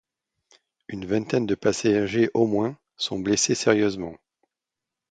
Une vingtaine de passagers au moins sont blessés sérieusement.